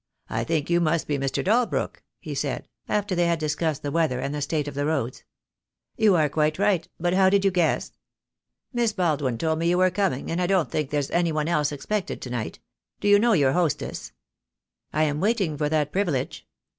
"I think you must be Mr. Dalbrook," he said, after they had discussed the weather and the state of the roads. "You are quite right — but how did you guess?" "Miss Baldwin told me you were coming, and I don't think there's any one else expected to night. Do you know your hostess?" "I am waiting for that privilege."